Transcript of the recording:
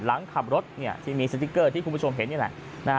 หลังขับรถที่มีสติ๊กเกอร์ที่คุณผู้ชมเห็นนี่แหละ